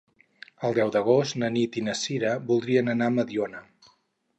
El deu d'agost na Nit i na Sira voldrien anar a Mediona.